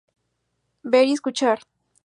Ver y escuchar